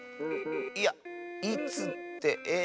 いやいつってええ？